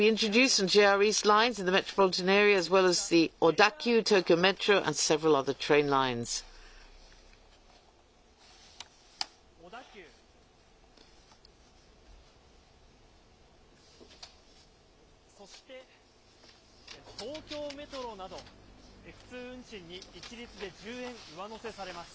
こちら、ＪＲや、小田急、そして東京メトロなど、普通運賃に一律で１０円上乗せされます。